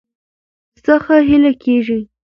څخه هيله کيږي